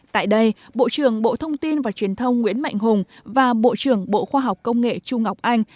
tại đây bộ trưởng bộ thông tin và truyền thông nguyễn mạnh hùng và bộ trưởng bộ khoa học công nghệ trung ngọc anh